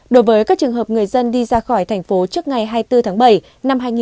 đối với các trường hợp người dân đi ra khỏi thành phố trước ngày hai mươi bốn tháng bảy